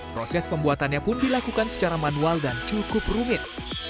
proses pembuatannya pun dilakukan secara manual dan cukup rumit